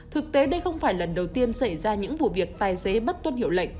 thực tế đây không phải lần đầu tiên xảy ra những vụ việc tài xế mất tuân hiệu lệnh